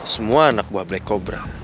semua anak buah black kobra